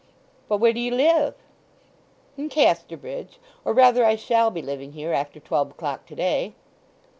"But where do you live?" "In Casterbridge, or rather I shall be living here after twelve o'clock to day."